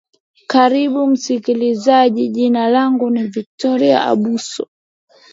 karibu msikilizaji jina langu ni victor abuso